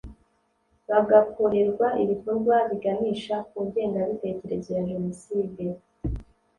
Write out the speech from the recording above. bagakorerwa ibikorwa biganisha ku ngengabitekerezo ya jenoside